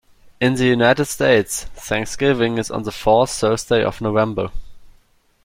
In the United States, Thanksgiving is on the fourth Thursday of November.